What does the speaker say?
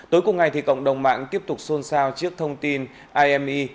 tối cùng ngày thì cộng đồng mạng tiếp tục xôn xao chiếc thông tin ime